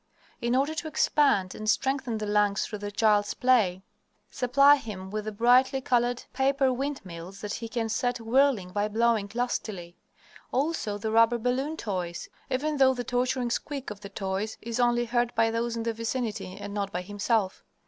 In order to expand and strengthen the lungs through the child's play, supply him with the brightly colored paper wind mills that he can set whirling by blowing lustily; also the rubber balloon toys, even though the torturing squeak of the toys is only heard by those in the vicinity and not by himself.